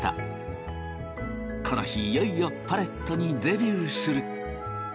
この日いよいよパレットにデビューする！